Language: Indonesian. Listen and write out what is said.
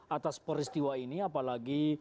atas peristiwa ini apalagi